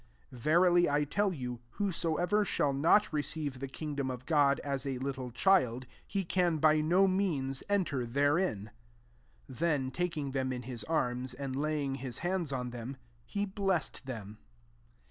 15 Verily I tell you. Whoso ever shall not receive the king dom of God as a little child, he can by no means enter therein." 16 Then taking them m his arms, and laying his hands on them, he blessed them.